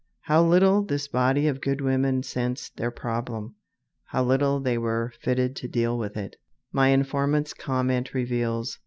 How little this body of good women sensed their problem, how little they were fitted to deal with it, my informant's comment reveals.